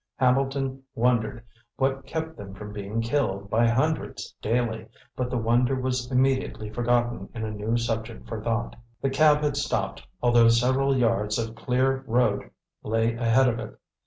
Hambleton wondered what kept them from being killed by hundreds daily, but the wonder was immediately forgotten in a new subject for thought. The cab had stopped, although several yards of clear road lay ahead of it.